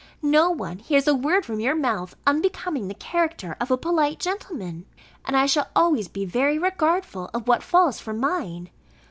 No one hears a word from your mouth unbecoming the character of a polite gentleman; and I shall always be very regardful of what falls from mine.